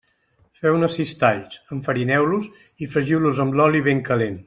Feu-ne sis talls, enfarineu-los i fregiu-los amb l'oli ben calent.